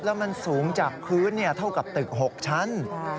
แล้วมันสูงจากพื้นเท่ากับตึก๖ชั้น